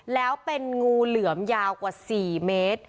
แล้วเป็นงูเหลือมยาวกว่า๔เมตร